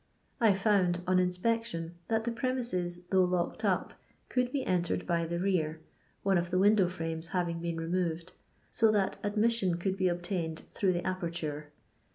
I found, on inspec tion, that the premises, though locked up, could be entered by the rear, one of the window frames having been removed, so that admission could be obtiiined through the aperture.